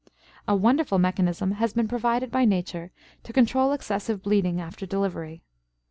A wonderful mechanism has been provided by Nature to control excessive bleeding after delivery.